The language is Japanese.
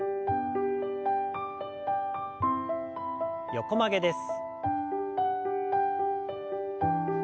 横曲げです。